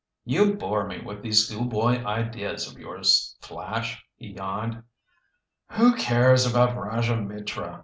"You bore me with those schoolboy ideas of yours, Flash," he yawned. "Who cares about Rajah Mitra?